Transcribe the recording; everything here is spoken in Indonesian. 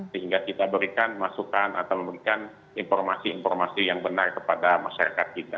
sehingga kita berikan masukan atau memberikan informasi informasi yang benar kepada masyarakat kita